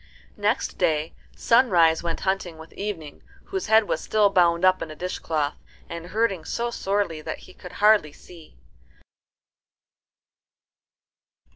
Next day Sunrise went hunting with Evening, whose head was still bound up in a dishcloth, and hurting so sorely that he could hardly see.